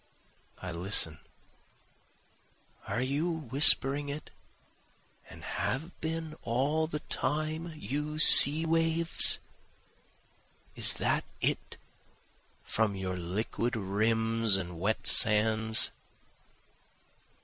I listen; Are you whispering it, and have been all the time, you sea waves? Is that it from your liquid rims and wet sands?